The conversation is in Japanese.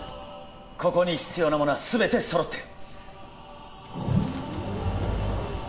ここに必要なものは全て揃ってる